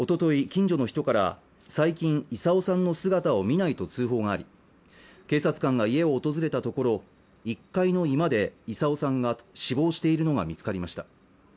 近所の人から最近、功さんの姿を見ないと通報があり警察官が家を訪れたところ１階の居間で功さんが死亡しているのが見つかりました